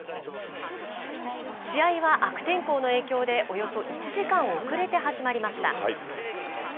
試合は悪天候の影響で、およそ１時間遅れて始まりました。